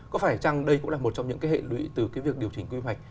có phải chăng đây cũng là một trong những cái hệ lụy từ cái việc điều chỉnh quy hoạch